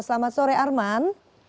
selamat sore arman